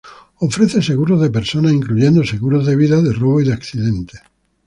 Ofrece seguros de personas, incluyendo seguros de vida, de robo y de accidentes.